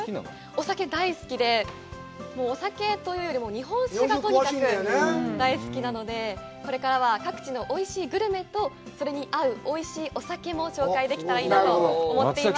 お酒、大好きで、もうお酒というよりも日本酒がとにかく大好きなので、これからは各地のおいしいグルメと、それに合うおいしいお酒も紹介できたらいいなと思っています。